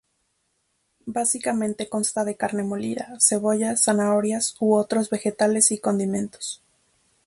Básicamente consta de carne molida, cebollas, zanahorias u otros vegetales y condimentos.